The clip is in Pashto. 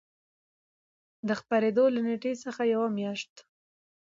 د خپرېدو له نېټې څخـه یـوه میاشـت